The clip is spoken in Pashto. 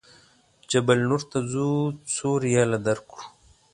جبل نور ته ځو څو ریاله درکړو.